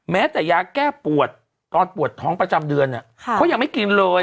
แม้แต่ยาแก้ปวดตอนปวดท้องประจำเดือนเขายังไม่กินเลย